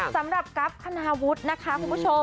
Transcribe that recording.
สำหรับกั๊บคณาวุฒินะคะคุณผู้ชม